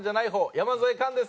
山添寛です。